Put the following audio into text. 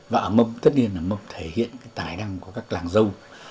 và ở mâm tất nhiên là mâm thể hiện cái tài năng của các làng dâu